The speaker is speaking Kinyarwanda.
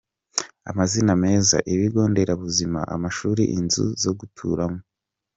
amazi meza, ibigo nderabuzima, amashuri, inzu zo guturamo.